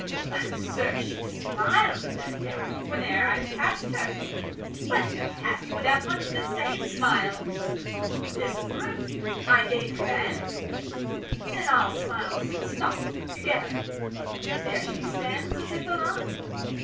Oh, sir, she smiled, no doubt, Whene'er I passed her; but who passed without Much the same smile? This grew; I gave commands; Then all smiles stopped together.° There she stands °46 As if alive.